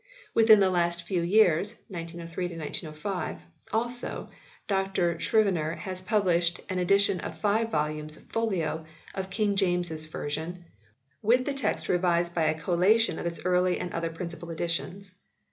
Within the last few years (1903 1905), also, Dr Scrivener has published an edition in five volumes, folio, of King James s Version, " with the Text revised by a Collation of its early and other principal editions."